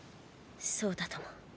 そうだとも。